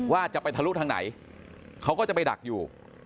ว่าจะไปทะลุทางไหนเขาก็จะไปดักอยู่